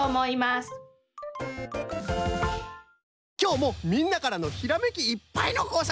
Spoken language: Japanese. きょうもみんなからのひらめきいっぱいのこうさく